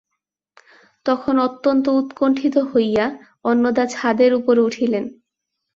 তখন অত্যন্ত উৎকণ্ঠিত হইয়া অন্নদা ছাদের উপরে উঠিলেন।